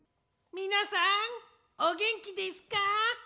みなさんおげんきですか？